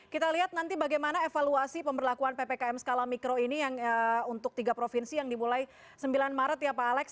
kita lihat nanti bagaimana evaluasi pemberlakuan ppkm skala mikro ini yang untuk tiga provinsi yang dimulai sembilan maret ya pak alex